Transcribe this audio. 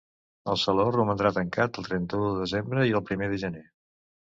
El saló romandrà tancat el trenta-u de desembre i el primer de gener.